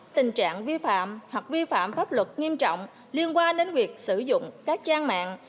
tình trạng vi phạm hoặc vi phạm pháp luật nghiêm trọng liên quan đến việc sử dụng các trang mạng